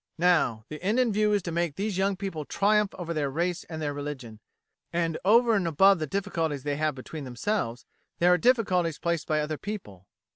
Now, the end in view is to make these young people triumph over their race and their religion; and over and above the difficulties they have between themselves, there are difficulties placed by other people.